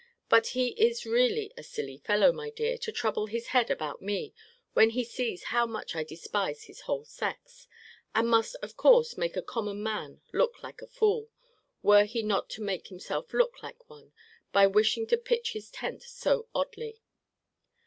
But he is really a silly fellow, my dear, to trouble his head about me, when he sees how much I despise his whole sex; and must of course make a common man look like a fool, were he not to make himself look like one, by wishing to pitch his tent so oddly.